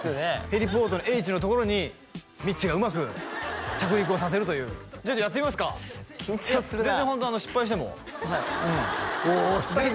ヘリポートのＨのところにみっちーがうまく着陸をさせるというちょっとやってみますか緊張するなあ全然ホント失敗してもうんおいおい